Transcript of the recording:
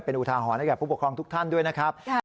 เป็นอุทาหรณ์ให้กับผู้ปกครองทุกท่านด้วยนะครับ